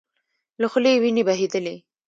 له خولې يې وينې بهيدلې.